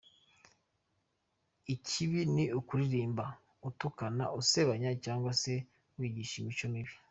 Ikibi ni ukuririmba utukana, usebanya cyangwa se wigisha imico mibi.